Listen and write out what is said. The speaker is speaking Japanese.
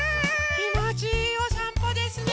きもちいいおさんぽですね。